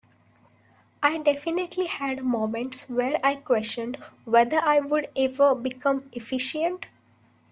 I definitely had moments where I questioned whether I would ever become efficient.